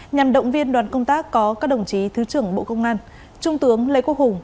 nhằm động viên đoàn công tác có các đồng chí thứ trưởng bộ công an trung tướng lê quốc hùng